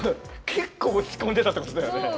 結構落ち込んでたってことだよね。